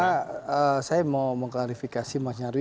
karena saya mau mengklarifikasi mas nyarwi